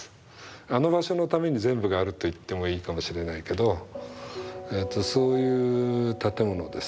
あの場所のために全部があると言ってもいいかもしれないけどそういう建物です。